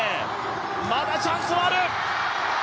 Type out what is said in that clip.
まだチャンスはある！